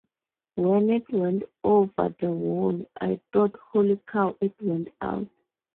When it went over the wall, I thought, 'Holy cow, it went out.